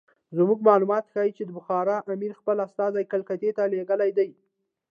زموږ معلومات ښیي چې د بخارا امیر خپل استازي کلکتې ته لېږلي دي.